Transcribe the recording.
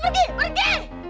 aduh pergi pergi